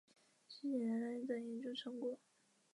十几年来的研究成果